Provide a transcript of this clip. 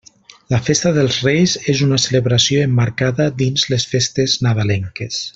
La Festa dels Reis és una celebració emmarcada dins les festes nadalenques.